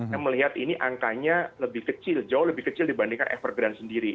saya melihat ini angkanya lebih kecil jauh lebih kecil dibandingkan evergrant sendiri